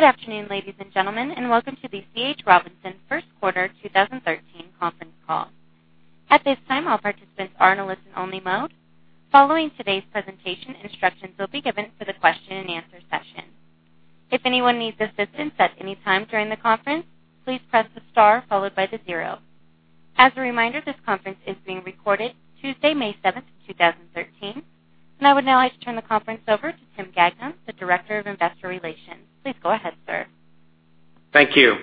Good afternoon, ladies and gentlemen, and welcome to the C. H. Robinson first quarter 2013 conference call. At this time, all participants are in a listen-only mode. Following today's presentation, instructions will be given for the question and answer session. If anyone needs assistance at any time during the conference, please press the star followed by the zero. As a reminder, this conference is being recorded Tuesday, May 7, 2013. I would now like to turn the conference over to Tim Gagnon, Director of Investor Relations. Please go ahead, sir. Thank you.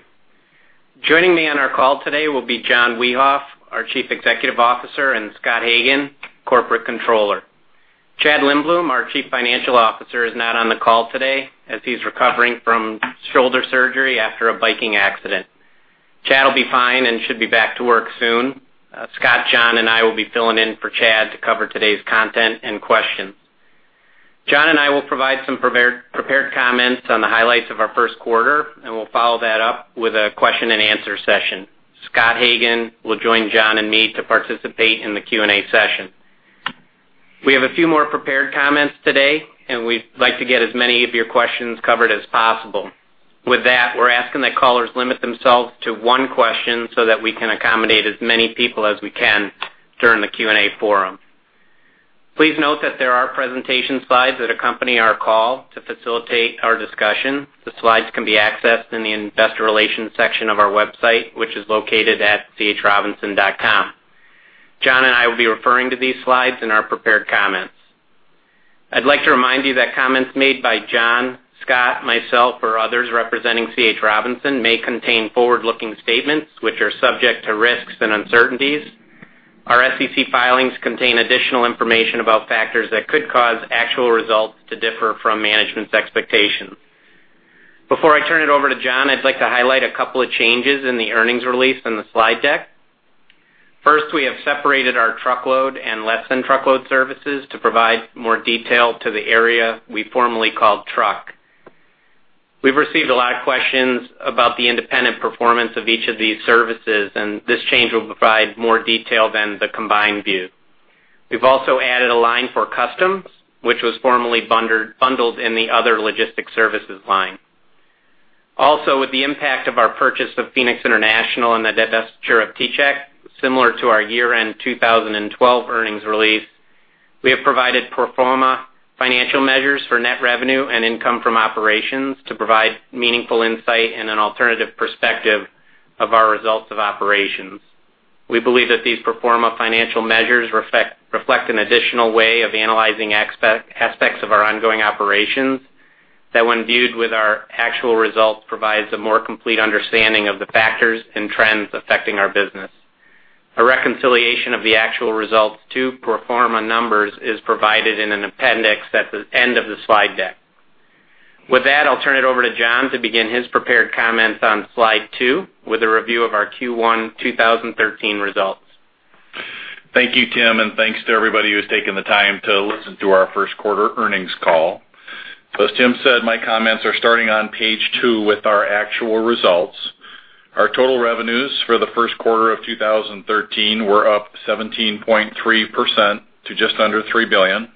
Joining me on our call today will be John Wiehoff, our Chief Executive Officer, and Scott Hagen, Corporate Controller. Chad Lindbloom, our Chief Financial Officer, is not on the call today as he's recovering from shoulder surgery after a biking accident. Chad will be fine and should be back to work soon. Scott, John, and I will be filling in for Chad to cover today's content and questions. John and I will provide some prepared comments on the highlights of our first quarter, and we'll follow that up with a question and answer session. Scott Hagen will join John and me to participate in the Q&A session. We have a few more prepared comments today, and we'd like to get as many of your questions covered as possible. With that, we're asking that callers limit themselves to one question so that we can accommodate as many people as we can during the Q&A forum. Please note that there are presentation slides that accompany our call to facilitate our discussion. The slides can be accessed in the investor relations section of our website, which is located at chrobinson.com. John and I will be referring to these slides in our prepared comments. I'd like to remind you that comments made by John, Scott, myself, or others representing C. H. Robinson may contain forward-looking statements which are subject to risks and uncertainties. Our SEC filings contain additional information about factors that could cause actual results to differ from management's expectations. Before I turn it over to John, I'd like to highlight a couple of changes in the earnings release in the slide deck. First, we have separated our truckload and less than truckload services to provide more detail to the area we formerly called truck. We've received a lot of questions about the independent performance of each of these services, and this change will provide more detail than the combined view. Also, with the impact of our purchase of Phoenix International and the divestiture of T-Chek, similar to our year-end 2012 earnings release, we have provided pro forma financial measures for net revenue and income from operations to provide meaningful insight and an alternative perspective of our results of operations. We believe that these pro forma financial measures reflect an additional way of analyzing aspects of our ongoing operations, that when viewed with our actual results, provides a more complete understanding of the factors and trends affecting our business. A reconciliation of the actual results to pro forma numbers is provided in an appendix at the end of the slide deck. With that, I'll turn it over to John to begin his prepared comments on slide two with a review of our Q1 2013 results. Thank you, Tim, and thanks to everybody who's taken the time to listen to our first quarter earnings call. As Tim said, my comments are starting on page two with our actual results. Our total revenues for the first quarter of 2013 were up 17.3% to just under $3 billion.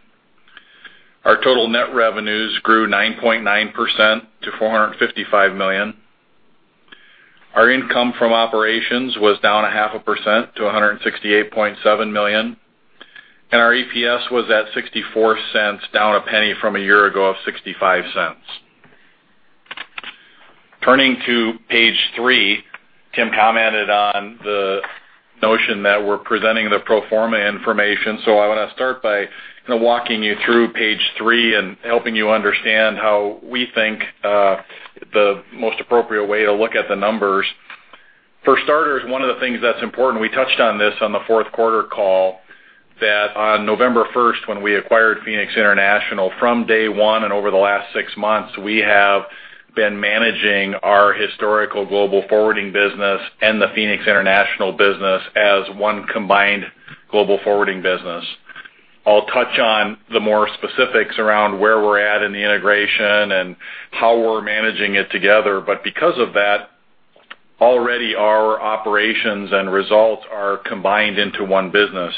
Our total net revenues grew 9.9% to $455 million. Our income from operations was down 0.5% to $168.7 million, and our EPS was at $0.64, down a penny from a year ago of $0.65. Turning to page three, Tim commented on the notion that we're presenting the pro forma information. I want to start by walking you through page three and helping you understand how we think the most appropriate way to look at the numbers. For starters, one of the things that's important, we touched on this on the fourth quarter call, that on November 1st when we acquired Phoenix International, from day one and over the last six months, we have been managing our historical global forwarding business and the Phoenix International business as one combined global forwarding business. I'll touch on the more specifics around where we're at in the integration and how we're managing it together. Because of that, already our operations and results are combined into one business.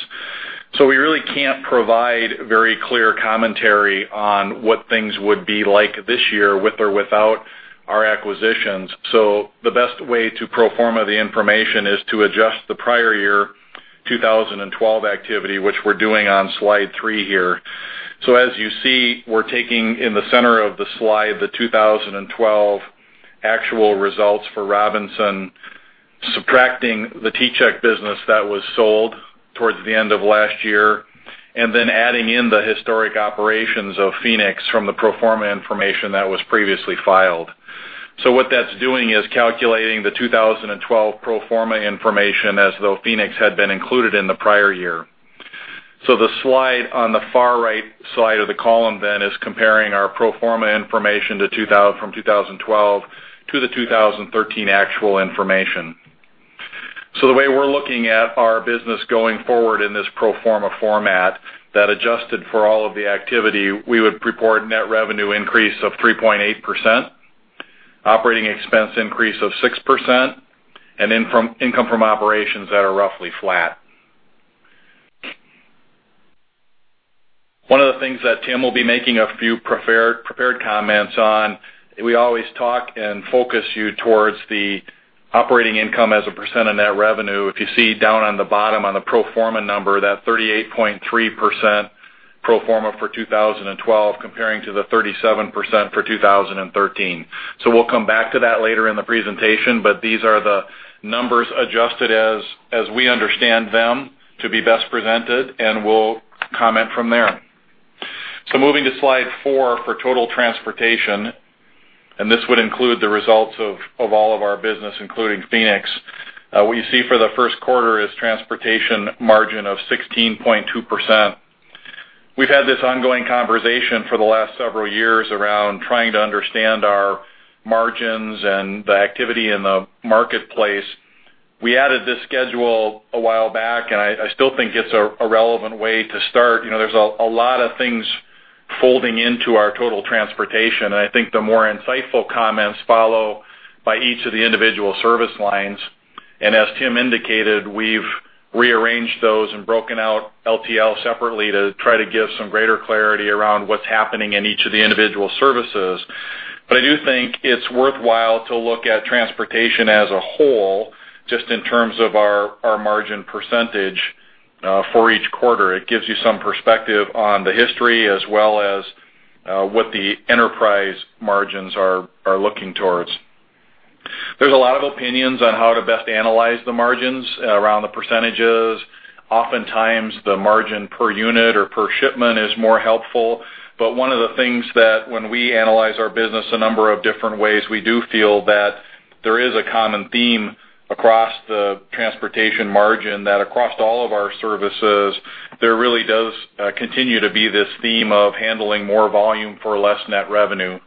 We really can't provide very clear commentary on what things would be like this year with or without our acquisitions. The best way to pro forma the information is to adjust the prior year 2012 activity, which we're doing on slide three here. As you see, we're taking in the center of the slide, the 2012 actual results for Robinson, subtracting the T-Chek business that was sold towards the end of last year, and then adding in the historic operations of Phoenix from the pro forma information that was previously filed. What that's doing is calculating the 2012 pro forma information as though Phoenix had been included in the prior year. The slide on the far right side of the column then is comparing our pro forma information from 2012 to the 2013 actual information. The way we're looking at our business going forward in this pro forma format that adjusted for all of the activity, we would report net revenue increase of 3.8%, operating expense increase of 6%, and income from operations that are roughly flat. One of the things that Tim will be making a few prepared comments on, we always talk and focus you towards the operating income as a percent of net revenue. If you see down on the bottom on the pro forma number, that 38.3% pro forma for 2012 comparing to the 37% for 2013. We'll come back to that later in the presentation, but these are the numbers adjusted as we understand them to be best presented, and we'll comment from there. Moving to slide four for total transportation, and this would include the results of all of our business, including Phoenix. What you see for the first quarter is transportation margin of 16.2%. We've had this ongoing conversation for the last several years around trying to understand our margins and the activity in the marketplace. We added this schedule a while back, and I still think it's a relevant way to start. There's a lot of things folding into our total transportation, and I think the more insightful comments follow by each of the individual service lines. As Tim indicated, we've rearranged those and broken out LTL separately to try to give some greater clarity around what's happening in each of the individual services. I do think it's worthwhile to look at transportation as a whole, just in terms of our margin percentage for each quarter. It gives you some perspective on the history as well as what the enterprise margins are looking towards. There's a lot of opinions on how to best analyze the margins around the percentages. Oftentimes, the margin per unit or per shipment is more helpful. One of the things that when we analyze our business a number of different ways, we do feel that there is a common theme across the transportation margin that across all of our services, there really does continue to be this theme of handling more volume for less net revenue.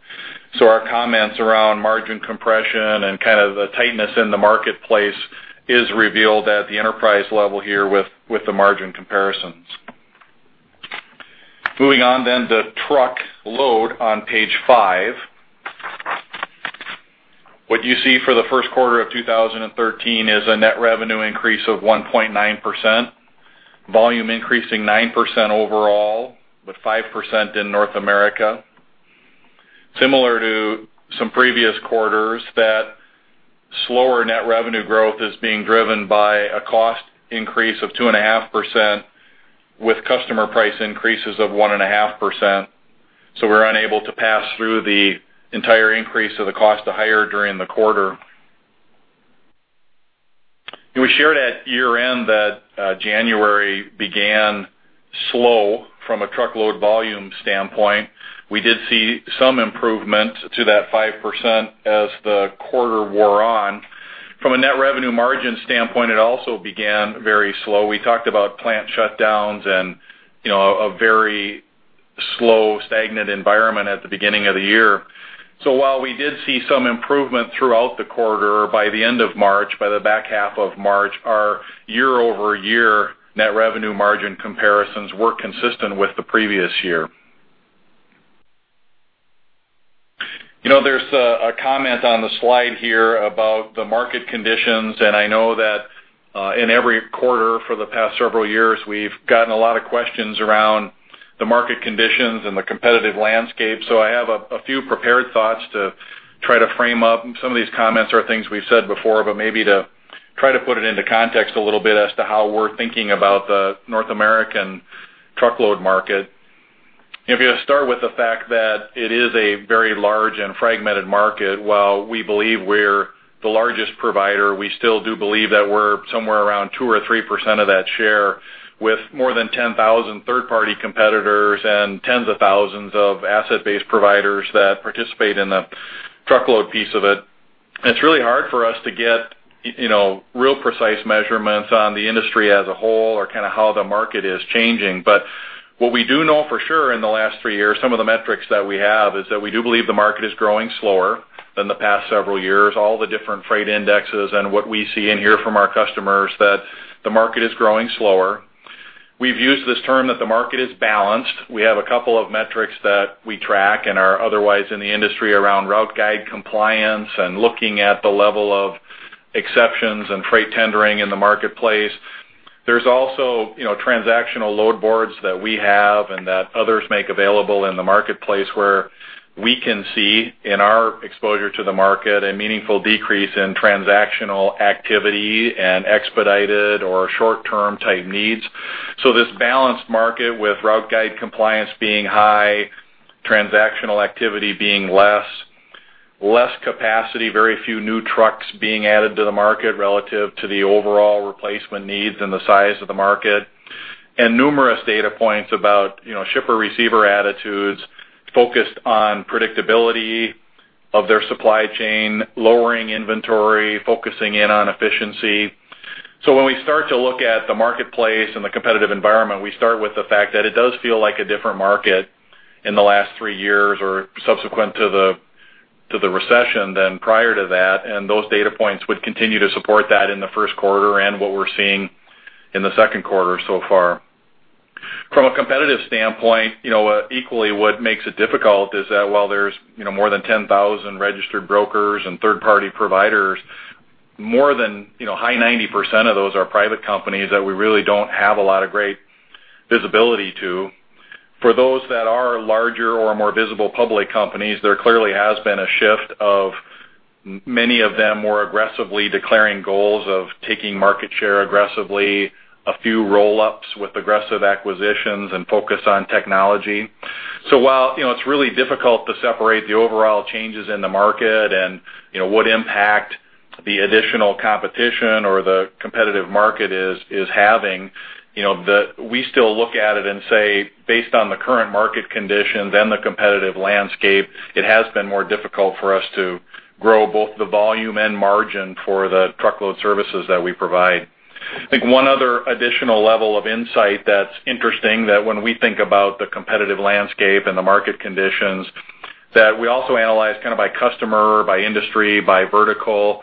Our comments around margin compression and the tightness in the marketplace is revealed at the enterprise level here with the margin comparisons. Moving on to truck load on page five. What you see for the first quarter of 2013 is a net revenue increase of 1.9%, volume increasing 9% overall, with 5% in North America. Similar to some previous quarters, that slower net revenue growth is being driven by a cost increase of 2.5% with customer price increases of 1.5%. We're unable to pass through the entire increase of the cost of hire during the quarter. We shared at year-end that January began slow from a truckload volume standpoint. We did see some improvement to that 5% as the quarter wore on. From a net revenue margin standpoint, it also began very slow. We talked about plant shutdowns and a very slow, stagnant environment at the beginning of the year. While we did see some improvement throughout the quarter, by the end of March, by the back half of March, our year-over-year net revenue margin comparisons were consistent with the previous year. There's a comment on the slide here about the market conditions. I know that in every quarter for the past several years, we've gotten a lot of questions around the market conditions and the competitive landscape. I have a few prepared thoughts to try to frame up. Some of these comments are things we've said before, but maybe to try to put it into context a little bit as to how we're thinking about the North American truckload market. If you start with the fact that it is a very large and fragmented market, while we believe we're the largest provider, we still do believe that we're somewhere around 2% or 3% of that share, with more than 10,000 third-party competitors and tens of thousands of asset-based providers that participate in the truckload piece of it. It's really hard for us to get real precise measurements on the industry as a whole or how the market is changing. What we do know for sure in the last three years, some of the metrics that we have is that we do believe the market is growing slower than the past several years. All the different freight indexes and what we see and hear from our customers, that the market is growing slower. We've used this term that the market is balanced. We have a couple of metrics that we track and are otherwise in the industry around route guide compliance and looking at the level of exceptions and freight tendering in the marketplace. There's also transactional load boards that we have and that others make available in the marketplace where we can see in our exposure to the market a meaningful decrease in transactional activity and expedited or short-term type needs. This balanced market with route guide compliance being high, transactional activity being less, less capacity, very few new trucks being added to the market relative to the overall replacement needs and the size of the market, and numerous data points about shipper receiver attitudes focused on predictability of their supply chain, lowering inventory, focusing in on efficiency. When we start to look at the marketplace and the competitive environment, we start with the fact that it does feel like a different market in the last three years or subsequent to the recession than prior to that, and those data points would continue to support that in the first quarter and what we're seeing in the second quarter so far. From a competitive standpoint, equally what makes it difficult is that while there's more than 10,000 registered brokers and third-party providers More than high 90% of those are private companies that we really don't have a lot of great visibility to. For those that are larger or more visible public companies, there clearly has been a shift of many of them more aggressively declaring goals of taking market share aggressively, a few roll-ups with aggressive acquisitions and focus on technology. While it's really difficult to separate the overall changes in the market and what impact the additional competition or the competitive market is having, we still look at it and say, based on the current market condition, the competitive landscape, it has been more difficult for us to grow both the volume and margin for the truckload services that we provide. I think one other additional level of insight that's interesting, when we think about the competitive landscape and the market conditions, we also analyze by customer, by industry, by vertical,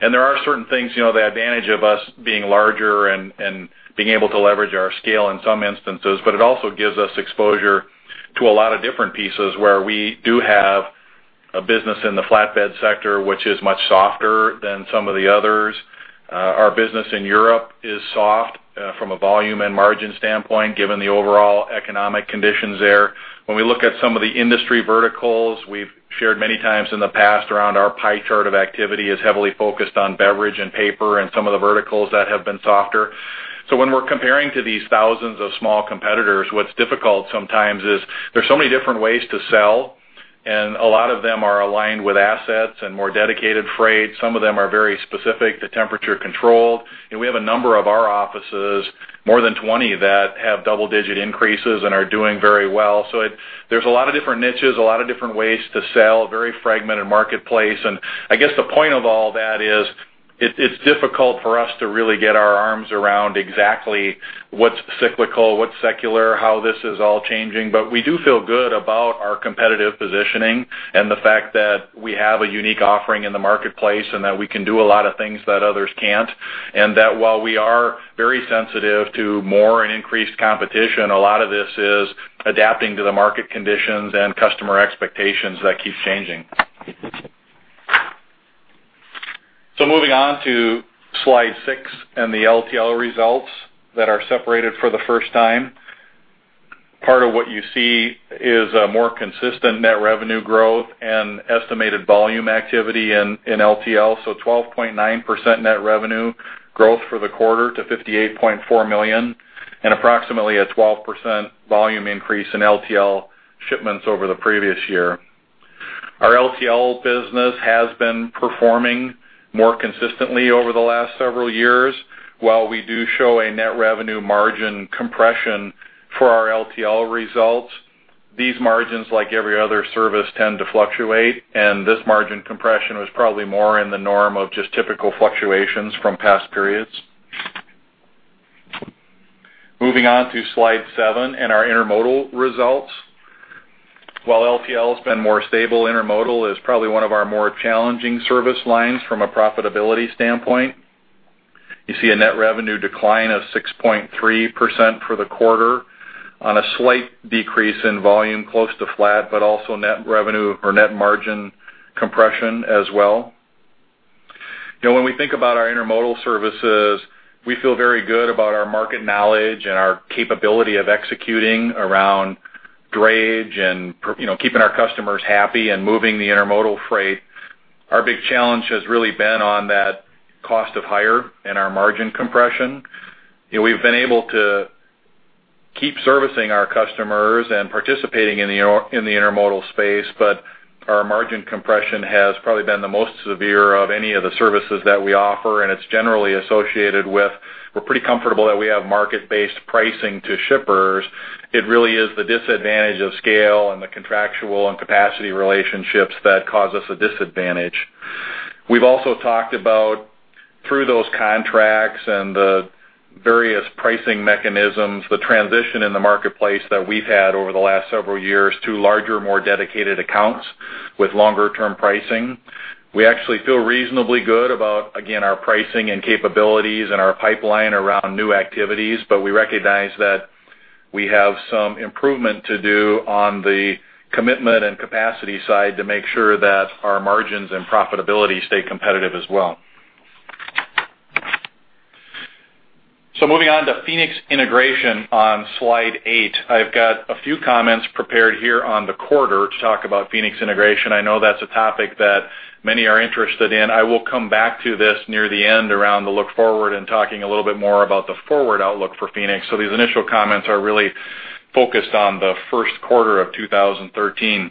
and there are certain things, the advantage of us being larger and being able to leverage our scale in some instances, but it also gives us exposure to a lot of different pieces where we do have a business in the flatbed sector, which is much softer than some of the others. Our business in Europe is soft from a volume and margin standpoint, given the overall economic conditions there. When we look at some of the industry verticals, we've shared many times in the past around our pie chart of activity is heavily focused on beverage and paper and some of the verticals that have been softer. When we're comparing to these thousands of small competitors, what's difficult sometimes is there's so many different ways to sell, and a lot of them are aligned with assets and more dedicated freight. Some of them are very specific to temperature control. We have a number of our offices, more than 20, that have double-digit increases and are doing very well. There's a lot of different niches, a lot of different ways to sell, a very fragmented marketplace. I guess the point of all that is, it's difficult for us to really get our arms around exactly what's cyclical, what's secular, how this is all changing. We do feel good about our competitive positioning and the fact that we have a unique offering in the marketplace, and that we can do a lot of things that others can't. While we are very sensitive to more and increased competition, a lot of this is adapting to the market conditions and customer expectations that keep changing. Moving on to Slide six and the LTL results that are separated for the first time. Part of what you see is a more consistent net revenue growth and estimated volume activity in LTL, 12.9% net revenue growth for the quarter to $58.4 million, and approximately a 12% volume increase in LTL shipments over the previous year. Our LTL business has been performing more consistently over the last several years. While we do show a net revenue margin compression for our LTL results, these margins, like every other service, tend to fluctuate, and this margin compression was probably more in the norm of just typical fluctuations from past periods. Moving on to Slide seven and our intermodal results. While LTL has been more stable, intermodal is probably one of our more challenging service lines from a profitability standpoint. You see a net revenue decline of 6.3% for the quarter on a slight decrease in volume, close to flat, but also net revenue or net margin compression as well. We think about our intermodal services, we feel very good about our market knowledge and our capability of executing around drayage and keeping our customers happy and moving the intermodal freight. Our big challenge has really been on that cost of hire and our margin compression. We've been able to keep servicing our customers and participating in the intermodal space, but our margin compression has probably been the most severe of any of the services that we offer, and it's generally associated with we're pretty comfortable that we have market-based pricing to shippers. It really is the disadvantage of scale and the contractual and capacity relationships that cause us a disadvantage. We've also talked about through those contracts and the various pricing mechanisms, the transition in the marketplace that we've had over the last several years to larger, more dedicated accounts with longer-term pricing. We actually feel reasonably good about, again, our pricing and capabilities and our pipeline around new activities, but we recognize that we have some improvement to do on the commitment and capacity side to make sure that our margins and profitability stay competitive as well. Moving on to Phoenix integration on Slide 8. I've got a few comments prepared here on the quarter to talk about Phoenix integration. I know that's a topic that many are interested in. I will come back to this near the end around the look forward and talking a little bit more about the forward outlook for Phoenix. These initial comments are really focused on the first quarter of 2013.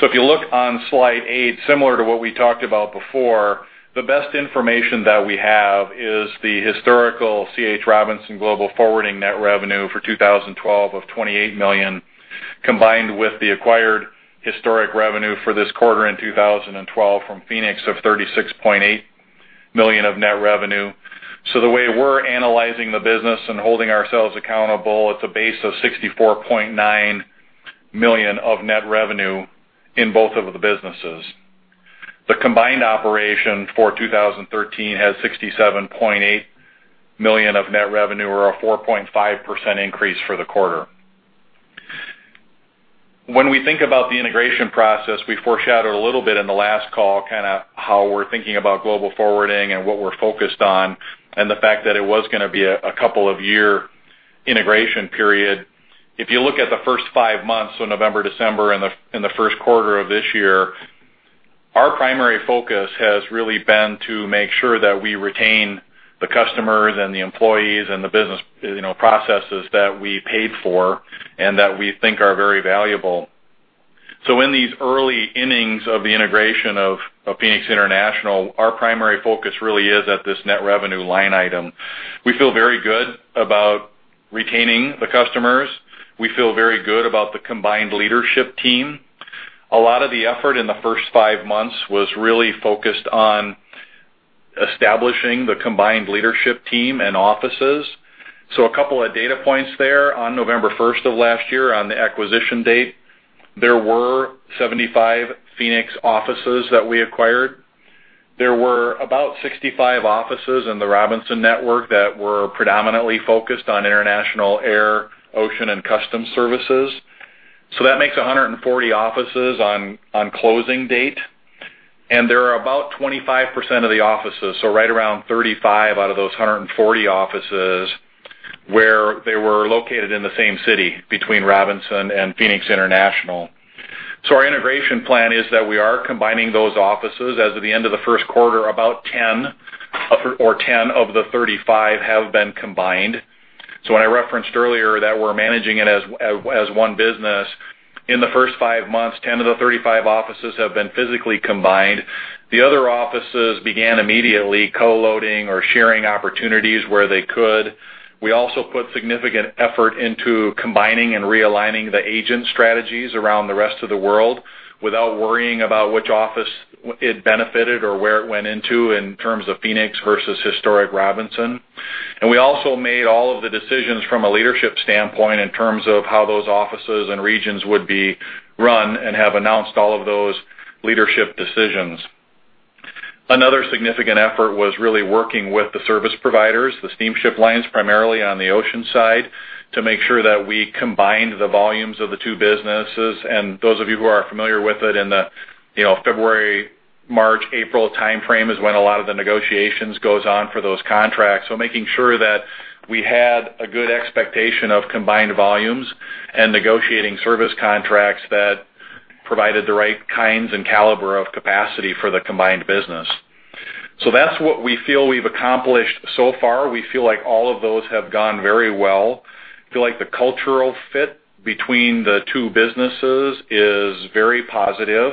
If you look on Slide 8, similar to what we talked about before, the best information that we have is the historical C. H. Robinson Global Forwarding net revenue for 2012 of $28 million, combined with the acquired historic revenue for this quarter in 2012 from Phoenix of $36.8 million of net revenue. The way we're analyzing the business and holding ourselves accountable, it's a base of $64.9 million of net revenue in both of the businesses. The combined operation for 2013 has $67.8 million of net revenue, or a 4.5% increase for the quarter. When we think about the integration process, we foreshadowed a little bit in the last call how we're thinking about global forwarding and what we're focused on, and the fact that it was going to be a couple of year integration period. If you look at the first five months, November, December, and the first quarter of this year, our primary focus has really been to make sure that we retain the customers and the employees and the business processes that we paid for, and that we think are very valuable. In these early innings of the integration of Phoenix International, our primary focus really is at this net revenue line item. We feel very good about retaining the customers. We feel very good about the combined leadership team. A lot of the effort in the first five months was really focused on establishing the combined leadership team and offices. A couple of data points there. On November 1st of last year, on the acquisition date, there were 75 Phoenix offices that we acquired. There were about 65 offices in the C. H. Robinson network that were predominantly focused on international air, ocean, and customs services. That makes 140 offices on closing date. And there are about 25% of the offices, so right around 35 out of those 140 offices, where they were located in the same city between C. H. Robinson and Phoenix International. Our integration plan is that we are combining those offices. As of the end of the first quarter, about 10 of the 35 have been combined. So when I referenced earlier that we are managing it as one business, in the first five months, 10 of the 35 offices have been physically combined. The other offices began immediately co-loading or sharing opportunities where they could. We also put significant effort into combining and realigning the agent strategies around the rest of the world without worrying about which office it benefited or where it went into in terms of Phoenix International versus historic C. H. Robinson. And we also made all of the decisions from a leadership standpoint in terms of how those offices and regions would be run and have announced all of those leadership decisions. Another significant effort was really working with the service providers, the steamship lines, primarily on the ocean side, to make sure that we combined the volumes of the two businesses. And those of you who are familiar with it, in the February, March, April timeframe is when a lot of the negotiations goes on for those contracts. Making sure that we had a good expectation of combined volumes and negotiating service contracts that provided the right kinds and caliber of capacity for the combined business. That is what we feel we have accomplished so far. We feel like all of those have gone very well. Feel like the cultural fit between the two businesses is very positive.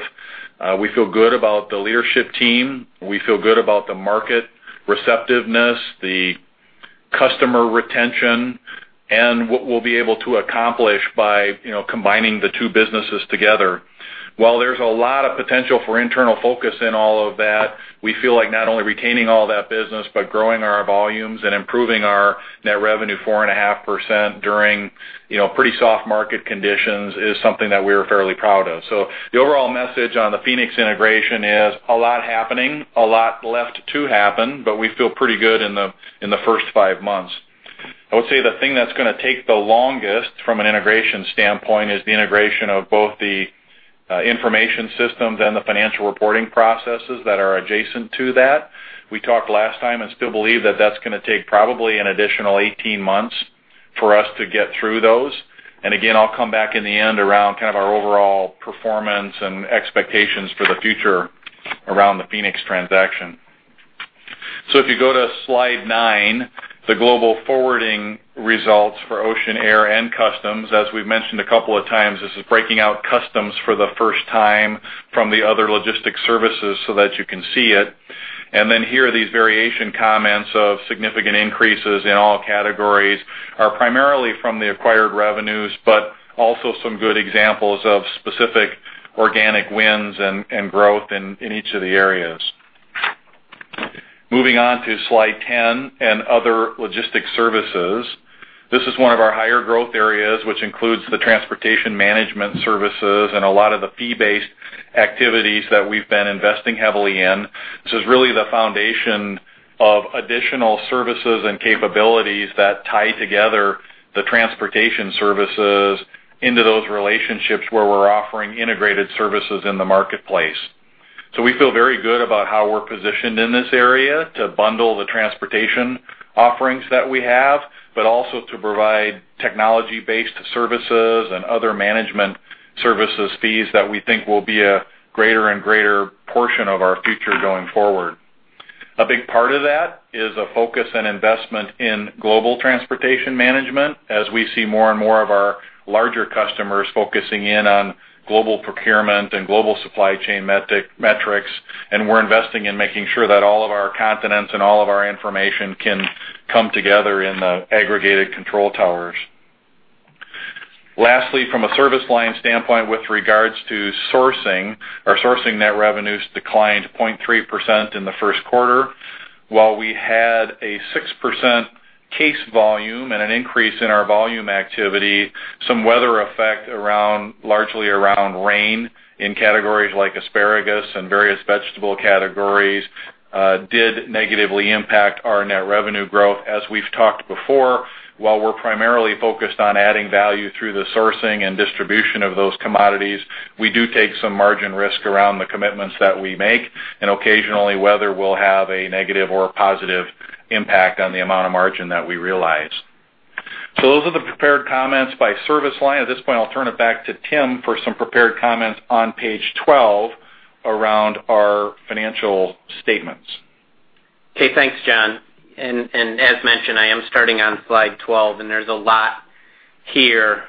We feel good about the leadership team. We feel good about the market receptiveness, the customer retention, and what we will be able to accomplish by combining the two businesses together. While there is a lot of potential for internal focus in all of that, we feel like not only retaining all that business, but growing our volumes and improving our net revenue 4.5% during pretty soft market conditions is something that we are fairly proud of. The overall message on the Phoenix International integration is a lot happening, a lot left to happen, but we feel pretty good in the first five months. I would say the thing that is going to take the longest from an integration standpoint is the integration of both the information systems and the financial reporting processes that are adjacent to that. We talked last time and still believe that that is going to take probably an additional 18 months for us to get through those. And again, I will come back in the end around our overall performance and expectations for the future around the Phoenix International transaction. So if you go to slide nine, the global forwarding results for ocean, air, and customs, as we have mentioned a couple of times, this is breaking out customs for the first time from the other logistic services so that you can see it. Here are these variation comments of significant increases in all categories are primarily from the acquired revenues, but also some good examples of specific organic wins and growth in each of the areas. Moving on to slide 10 and other logistics services. This is one of our higher growth areas, which includes the transportation management services and a lot of the fee-based activities that we've been investing heavily in. This is really the foundation of additional services and capabilities that tie together the transportation services into those relationships where we're offering integrated services in the marketplace. We feel very good about how we're positioned in this area to bundle the transportation offerings that we have, but also to provide technology-based services and other management services fees that we think will be a greater and greater portion of our future going forward. A big part of that is a focus and investment in global transportation management as we see more and more of our larger customers focusing in on global procurement and global supply chain metrics, and we're investing in making sure that all of our continents and all of our information can come together in the aggregated control towers. Lastly, from a service line standpoint, with regards to sourcing, our sourcing net revenues declined 0.3% in the first quarter. While we had a 6% case volume and an increase in our volume activity, some weather effect largely around rain in categories like asparagus and various vegetable categories did negatively impact our net revenue growth. As we've talked before, while we're primarily focused on adding value through the sourcing and distribution of those commodities, we do take some margin risk around the commitments that we make, and occasionally, whether we'll have a negative or a positive impact on the amount of margin that we realize. Those are the prepared comments by service line. At this point, I'll turn it back to Tim for some prepared comments on page 12 around our financial statements. Okay, thanks, John. As mentioned, I am starting on slide 12, and there's a lot here.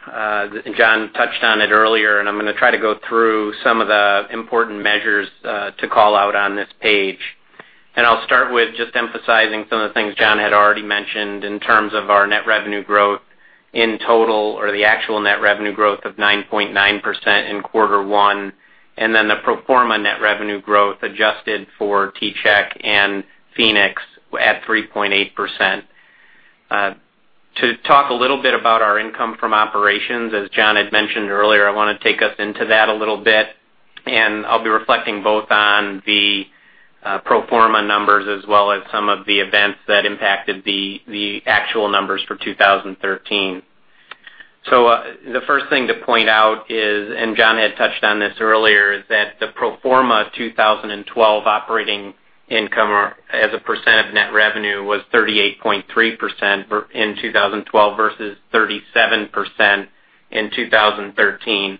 John touched on it earlier, and I'm going to try to go through some of the important measures to call out on this page. I'll start with just emphasizing some of the things John had already mentioned in terms of our net revenue growth in total, or the actual net revenue growth of 9.9% in quarter one, and then the pro forma net revenue growth adjusted for T-Chek and Phoenix at 3.8%. To talk a little bit about our income from operations, as John had mentioned earlier, I want to take us into that a little bit, and I'll be reflecting both on the pro forma numbers as well as some of the events that impacted the actual numbers for 2013. The first thing to point out is, John Wiehoff had touched on this earlier, is that the pro forma 2012 operating income as a percent of net revenue was 38.3% in 2012 versus 37% in 2013.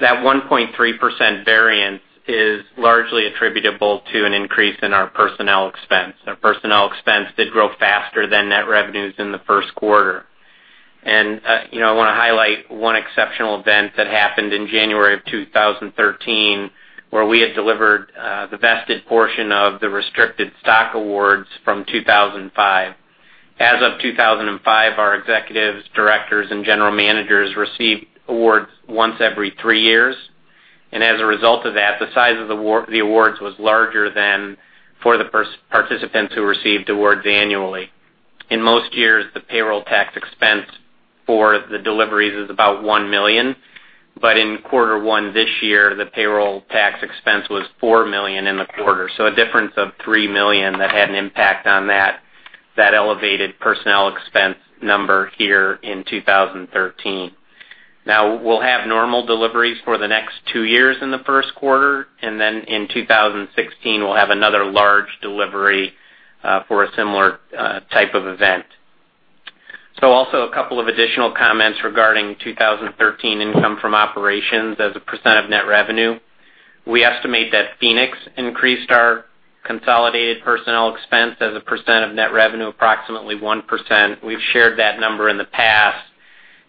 That 1.3% variance is largely attributable to an increase in our personnel expense. Our personnel expense did grow faster than net revenues in the first quarter. I want to highlight one exceptional event that happened in January of 2013, where we had delivered the vested portion of the restricted stock awards from 2005. As of 2005, our executives, directors, and general managers received awards once every three years. As a result of that, the size of the awards was larger than for the participants who received awards annually. In most years, the payroll tax expense for the deliveries is about $1 million. In quarter one this year, the payroll tax expense was $4 million in the quarter. A difference of $3 million that had an impact on that elevated personnel expense number here in 2013. We'll have normal deliveries for the next two years in the first quarter, and then in 2016, we'll have another large delivery for a similar type of event. Also a couple of additional comments regarding 2013 income from operations as a percent of net revenue. We estimate that Phoenix International, Inc. increased our consolidated personnel expense as a percent of net revenue, approximately 1%. We've shared that number in the past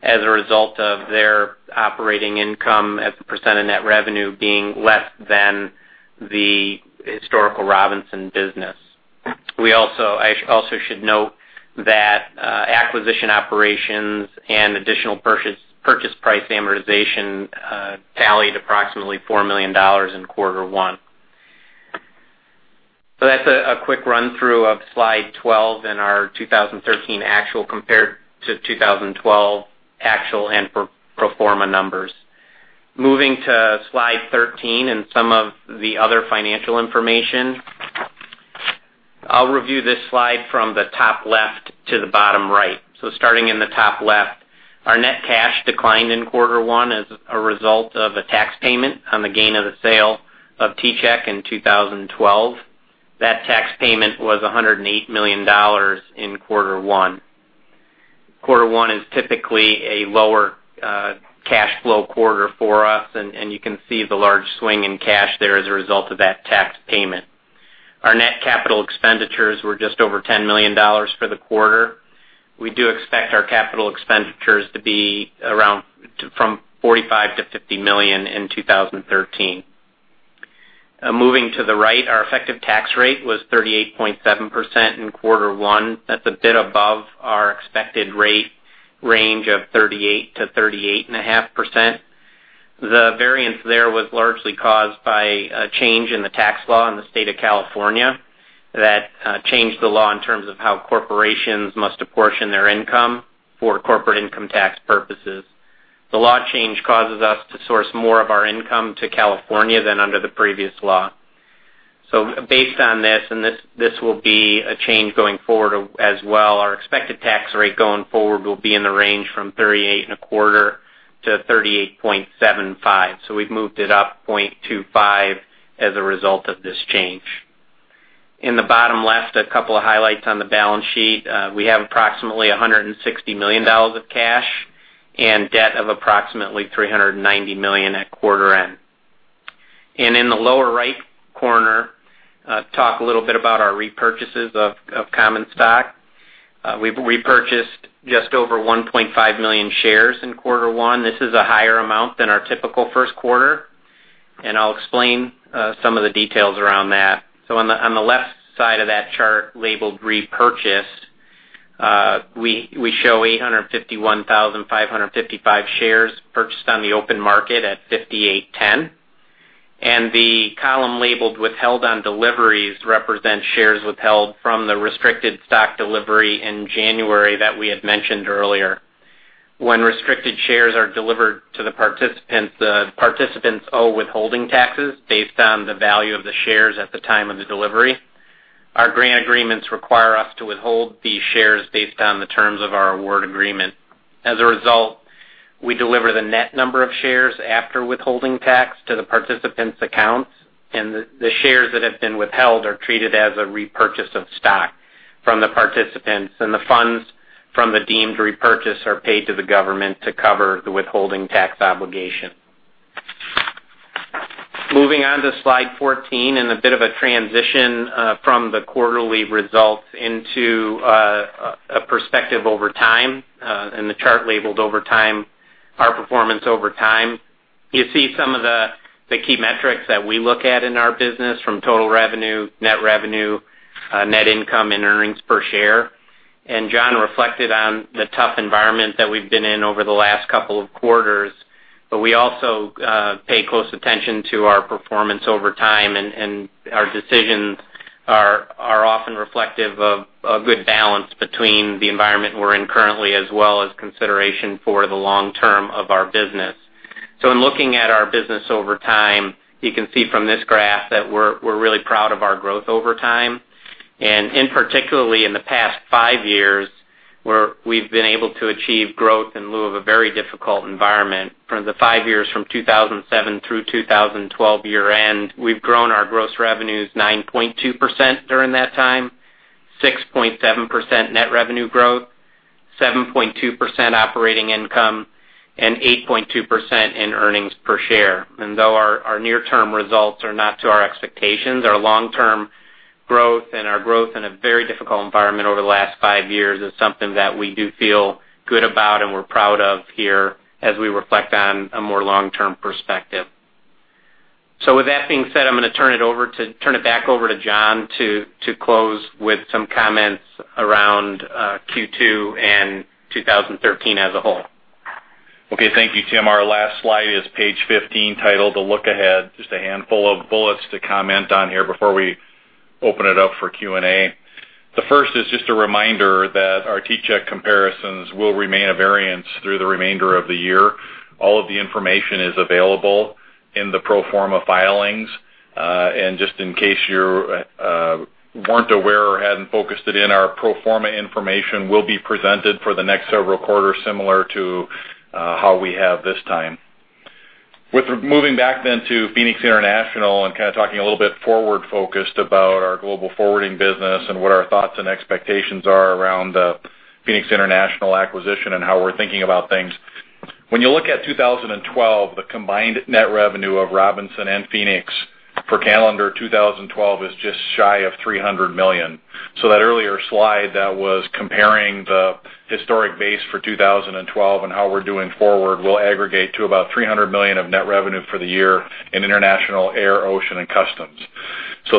as a result of their operating income as a percent of net revenue being less than the historical Robinson business. I also should note that acquisition operations and additional purchase price amortization tallied approximately $4 million in quarter one. That's a quick run-through of slide 12 and our 2013 actual compared to 2012 actual and pro forma numbers. Moving to slide 13 and some of the other financial information. I'll review this slide from the top left to the bottom right. Starting in the top left, our net cash declined in quarter one as a result of a tax payment on the gain of the sale of T-Chek in 2012. That tax payment was $108 million in quarter one. Quarter one is typically a lower cash flow quarter for us, and you can see the large swing in cash there as a result of that tax payment. Our net capital expenditures were just over $10 million for the quarter. We do expect our capital expenditures to be around from $45 million-$50 million in 2013. Moving to the right, our effective tax rate was 38.7% in quarter one. That's a bit above our expected rate range of 38%-38.5%. The variance there was largely caused by a change in the tax law in the state of California that changed the law in terms of how corporations must apportion their income for corporate income tax purposes. The law change causes us to source more of our income to California than under the previous law. Based on this, and this will be a change going forward as well, our expected tax rate going forward will be in the range from 38.25%-38.75%. We've moved it up 0.25 as a result of this change. In the bottom left, a couple of highlights on the balance sheet. We have approximately $160 million of cash and debt of approximately $390 million at quarter end. In the lower right corner, talk a little bit about our repurchases of common stock. We've repurchased just over 1.5 million shares in quarter one. This is a higher amount than our typical first quarter, and I'll explain some of the details around that. On the left side of that chart labeled Repurchase, we show 851,555 shares purchased on the open market at $58.10. The column labeled Withheld on Deliveries represents shares withheld from the restricted stock delivery in January that we had mentioned earlier. When restricted shares are delivered to the participants, the participants owe withholding taxes based on the value of the shares at the time of the delivery. Our grant agreements require us to withhold the shares based on the terms of our award agreement. As a result, we deliver the net number of shares after withholding tax to the participants' accounts, and the shares that have been withheld are treated as a repurchase of stock from the participants. The funds from the deemed repurchase are paid to the government to cover the withholding tax obligation. Moving on to slide 14, a bit of a transition from the quarterly results into a perspective over time, the chart labeled Over Time, our performance over time. You see some of the key metrics that we look at in our business, from total revenue, net revenue, net income, and earnings per share. John reflected on the tough environment that we've been in over the last couple of quarters, but we also pay close attention to our performance over time, and our decisions are often reflective of a good balance between the environment we're in currently, as well as consideration for the long term of our business. In looking at our business over time, you can see from this graph that we're really proud of our growth over time. In particularly in the past five years, we've been able to achieve growth in lieu of a very difficult environment. From the five years from 2007 through 2012 year-end, we've grown our gross revenues 9.2% during that time, 6.7% net revenue growth, 7.2% operating income, and 8.2% in earnings per share. Though our near-term results are not to our expectations, our long-term growth and our growth in a very difficult environment over the last five years is something that we do feel good about and we're proud of here as we reflect on a more long-term perspective. With that being said, I'm going to turn it back over to John to close with some comments around Q2 and 2013 as a whole. Okay. Thank you, Tim. Our last slide is page 15, titled A Look Ahead. Just a handful of bullets to comment on here before we open it up for Q&A. The first is just a reminder that our T-Chek comparisons will remain a variance through the remainder of the year. All of the information is available in the pro forma filings. Just in case you weren't aware or hadn't focused it in, our pro forma information will be presented for the next several quarters, similar to how we have this time. Moving back then to Phoenix International and kind of talking a little bit forward-focused about our global forwarding business and what our thoughts and expectations are around the Phoenix International acquisition and how we're thinking about things. When you look at 2012, the combined net revenue of Robinson and Phoenix for calendar 2012 is just shy of $300 million. That earlier slide that was comparing the historic base for 2012 and how we're doing forward will aggregate to about $300 million of net revenue for the year in international air, ocean, and customs.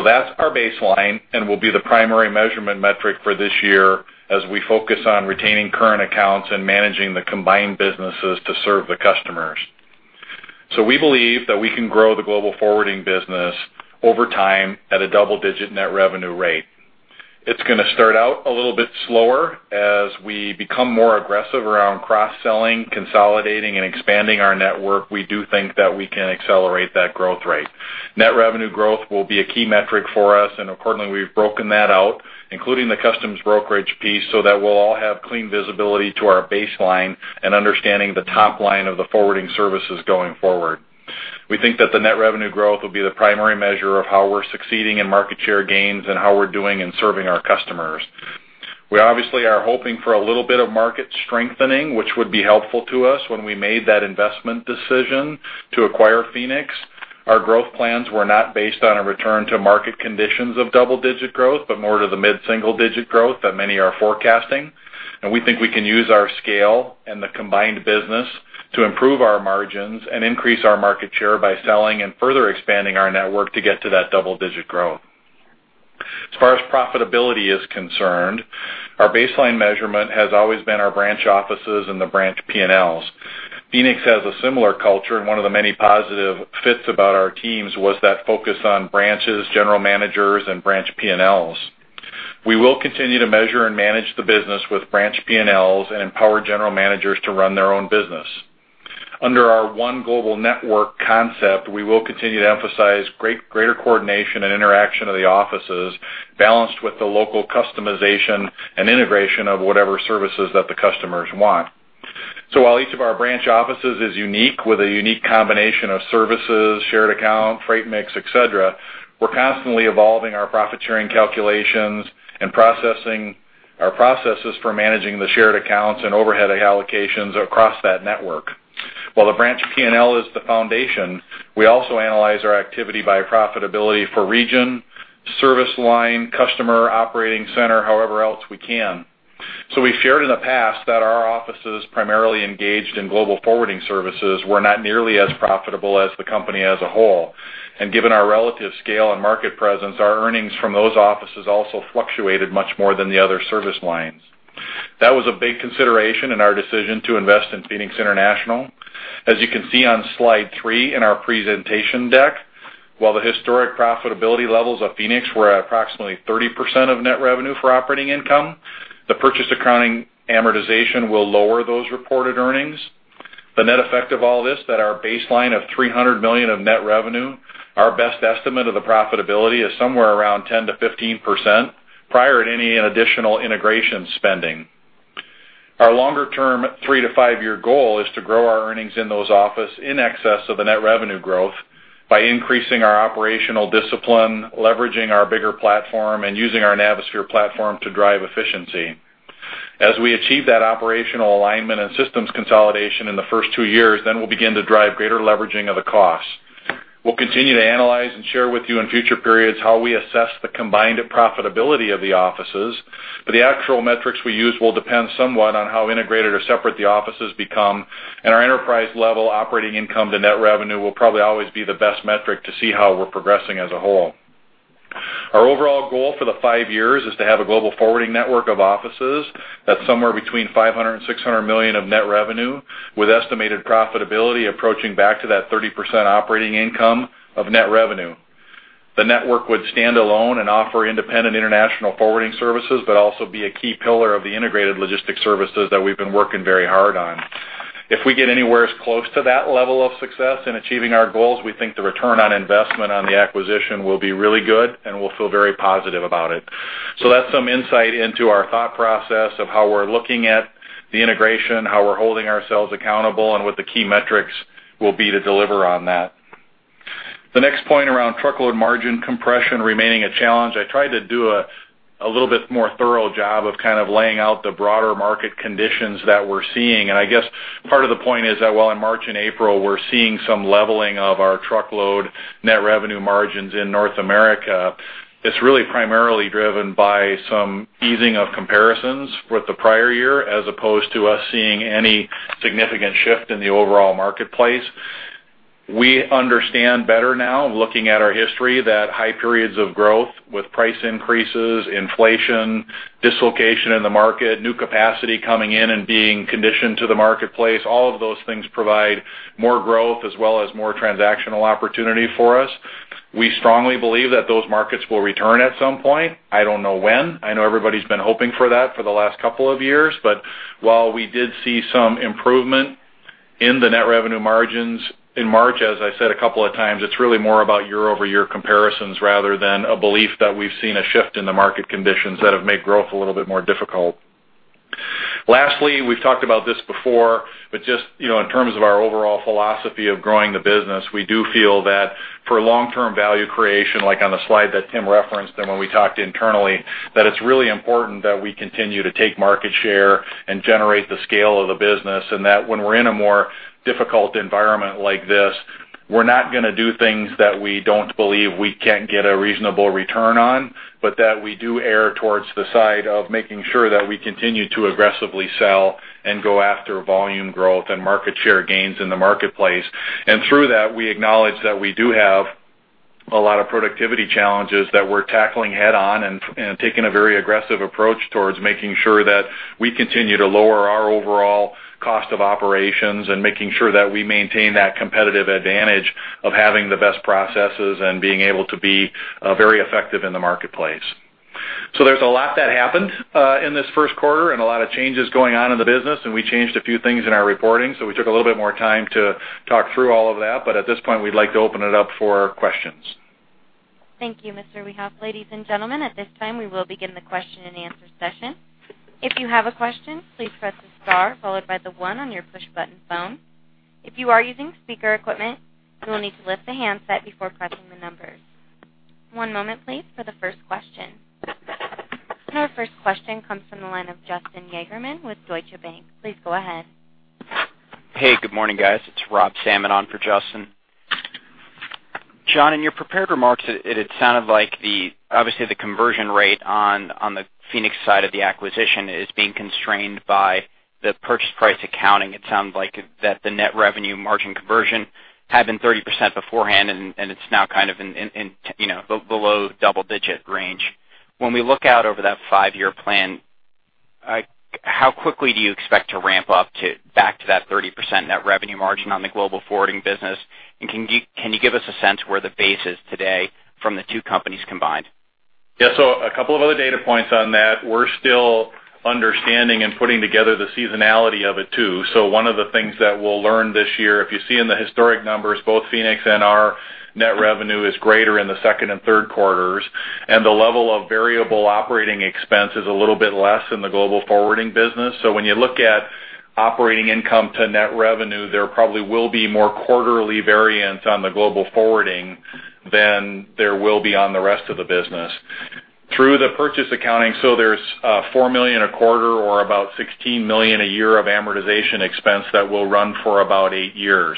That's our baseline and will be the primary measurement metric for this year as we focus on retaining current accounts and managing the combined businesses to serve the customers. We believe that we can grow the global forwarding business over time at a double-digit net revenue rate. It's going to start out a little bit slower. As we become more aggressive around cross-selling, consolidating, and expanding our network, we do think that we can accelerate that growth rate. Net revenue growth will be a key metric for us, and accordingly, we've broken that out, including the customs brokerage piece, so that we'll all have clean visibility to our baseline and understanding the top line of the forwarding services going forward. We think that the net revenue growth will be the primary measure of how we're succeeding in market share gains and how we're doing in serving our customers. We obviously are hoping for a little bit of market strengthening, which would be helpful to us when we made that investment decision to acquire Phoenix. Our growth plans were not based on a return to market conditions of double-digit growth, but more to the mid-single digit growth that many are forecasting. We think we can use our scale and the combined business to improve our margins and increase our market share by selling and further expanding our network to get to that double-digit growth. As far as profitability is concerned, our baseline measurement has always been our branch offices and the branch P&Ls. Phoenix has a similar culture, and one of the many positive fits about our teams was that focus on branches, general managers, and branch P&Ls. We will continue to measure and manage the business with branch P&Ls and empower general managers to run their own business. Under our One Global Network concept, we will continue to emphasize greater coordination and interaction of the offices, balanced with the local customization and integration of whatever services that the customers want. While each of our branch offices is unique with a unique combination of services, shared account, freight mix, et cetera, we're constantly evolving our profit-sharing calculations and our processes for managing the shared accounts and overhead allocations across that network. While the branch P&L is the foundation, we also analyze our activity by profitability for region, service line, customer, operating center, however else we can. We've shared in the past that our offices primarily engaged in global forwarding services were not nearly as profitable as the company as a whole. Given our relative scale and market presence, our earnings from those offices also fluctuated much more than the other service lines. That was a big consideration in our decision to invest in Phoenix International. As you can see on slide three in our presentation deck. While the historic profitability levels of Phoenix were at approximately 30% of net revenue for operating income, the purchase accounting amortization will lower those reported earnings. The net effect of all this, that our baseline of $300 million of net revenue, our best estimate of the profitability is somewhere around 10%-15% prior to any additional integration spending. Our longer-term three-to-five year goal is to grow our earnings in those office in excess of the net revenue growth by increasing our operational discipline, leveraging our bigger platform, and using our Navisphere platform to drive efficiency. As we achieve that operational alignment and systems consolidation in the first two years, we'll begin to drive greater leveraging of the costs. We'll continue to analyze and share with you in future periods how we assess the combined profitability of the offices. The actual metrics we use will depend somewhat on how integrated or separate the offices become. Our enterprise level operating income to net revenue will probably always be the best metric to see how we're progressing as a whole. Our overall goal for the five years is to have a global forwarding network of offices that's somewhere between $500 million and $600 million of net revenue, with estimated profitability approaching back to that 30% operating income of net revenue. The network would stand alone and offer independent international forwarding services, also be a key pillar of the integrated logistic services that we've been working very hard on. If we get anywhere close to that level of success in achieving our goals, we think the return on investment on the acquisition will be really good, and we'll feel very positive about it. That's some insight into our thought process of how we're looking at the integration, how we're holding ourselves accountable, and what the key metrics will be to deliver on that. The next point around truckload margin compression remaining a challenge. I tried to do a little bit more thorough job of laying out the broader market conditions that we're seeing. I guess part of the point is that while in March and April, we're seeing some leveling of our truckload net revenue margins in North America, it's really primarily driven by some easing of comparisons with the prior year, as opposed to us seeing any significant shift in the overall marketplace. We understand better now, looking at our history, that high periods of growth with price increases, inflation, dislocation in the market, new capacity coming in and being conditioned to the marketplace, all of those things provide more growth as well as more transactional opportunity for us. We strongly believe that those markets will return at some point. I don't know when. I know everybody's been hoping for that for the last couple of years. While we did see some improvement in the net revenue margins in March, as I said a couple of times, it's really more about year-over-year comparisons rather than a belief that we've seen a shift in the market conditions that have made growth a little bit more difficult. Lastly, we've talked about this before, but just in terms of our overall philosophy of growing the business, we do feel that for long-term value creation, like on the slide that Tim referenced and when we talked internally, that it's really important that we continue to take market share and generate the scale of the business. When we're in a more difficult environment like this, we're not going to do things that we don't believe we can't get a reasonable return on, but that we do err towards the side of making sure that we continue to aggressively sell and go after volume growth and market share gains in the marketplace. Through that, we acknowledge that we do have a lot of productivity challenges that we're tackling head on and taking a very aggressive approach towards making sure that we continue to lower our overall cost of operations and making sure that we maintain that competitive advantage of having the best processes and being able to be very effective in the marketplace. There's a lot that happened in this first quarter and a lot of changes going on in the business, and we changed a few things in our reporting, so we took a little bit more time to talk through all of that. At this point, we'd like to open it up for questions. Thank you, Mr. Wiehoff. Ladies and gentlemen, at this time, we will begin the question and answer session. If you have a question, please press the star followed by the one on your push-button phone. If you are using speaker equipment, you will need to lift the handset before pressing the numbers. One moment please for the first question. Our first question comes from the line of Justin Yagerman with Deutsche Bank. Please go ahead. Hey, good morning, guys. It's Rob Salmon on for Justin. John, in your prepared remarks, it had sounded like obviously the conversion rate on the Phoenix side of the acquisition is being constrained by the purchase price accounting. It sounds like that the net revenue margin conversion had been 30% beforehand, and it's now below double-digit range. When we look out over that 5-year plan, how quickly do you expect to ramp up back to that 30% net revenue margin on the global forwarding business? Can you give us a sense where the base is today from the two companies combined? Yeah. A couple of other data points on that. We're still understanding and putting together the seasonality of it, too. One of the things that we'll learn this year, if you see in the historic numbers, both Phoenix and our net revenue is greater in the second and third quarters, and the level of variable operating expense is a little bit less in the global forwarding business. When you look at operating income to net revenue, there probably will be more quarterly variance on the global forwarding than there will be on the rest of the business. Through the purchase accounting, there's $4 million a quarter or about $16 million a year of amortization expense that will run for about 8 years.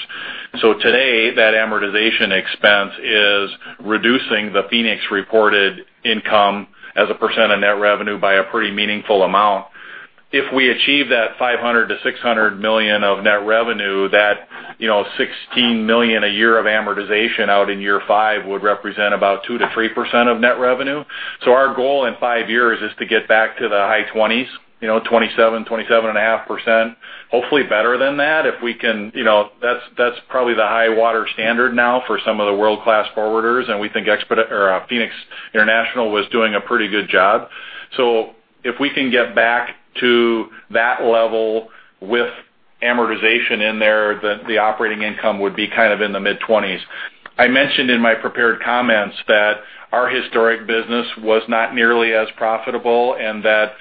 Today, that amortization expense is reducing the Phoenix reported income as a percent of net revenue by a pretty meaningful amount. If we achieve that $500 million-$600 million of net revenue, that $16 million a year of amortization out in year 5 would represent about 2%-3% of net revenue. Our goal in 5 years is to get back to the high 20s, 27%, 27.5%, hopefully better than that. That's probably the high water standard now for some of the world-class forwarders, and we think Phoenix International was doing a pretty good job. If we can get back to that level with amortization in there, the operating income would be kind of in the mid-20s. I mentioned in my prepared comments that our historic business was not nearly as profitable, and that